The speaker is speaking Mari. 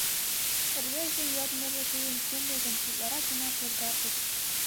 Рвезын йодмыжо тудын кумылжым утларак гына кожгатыш.